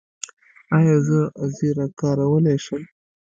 ایا زه زیره کارولی شم؟